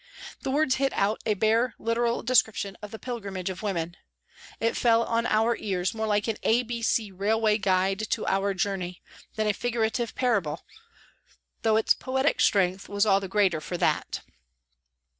The words hit out a bare literal description of the pilgrimage of women. It fell on our ears more like an A B C railway guide to our journey than a figurative parable, though its poetic strength was all the greater for that.